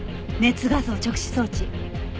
熱画像直視装置。